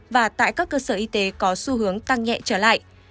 và tại các cơ sở y tế có xu hướng tăng nhẹ trở lại